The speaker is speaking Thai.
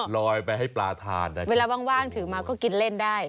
ลอยไปให้ปลาทานนะครับเวลาว่างถือมาก็กินเล่นได้